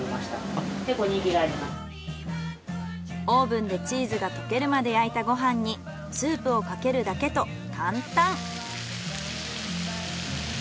オーブンでチーズが溶けるまで焼いたご飯にスープをかけるだけと簡単。